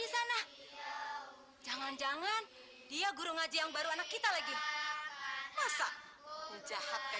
sampai jumpa di video selanjutnya